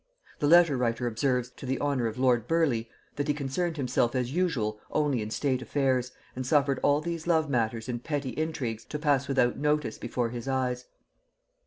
The letter writer observes, to the honor of lord Burleigh, that he concerned himself as usual only in state affairs, and suffered all these love matters and petty intrigues to pass without notice before his eyes.